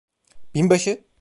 Binbaşı!